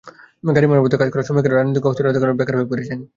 গাড়ি মেরামতের কাজ করা শ্রমিকেরাও রাজনৈতিক অস্থিরতার কারণে বেকার হয়ে পড়েছেন।